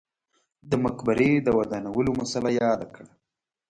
د مقبرې د ودانولو مسئله یاده کړه.